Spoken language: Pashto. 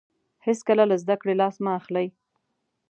هیڅکله له زده کړې لاس مه اخلئ.